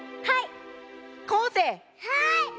はい！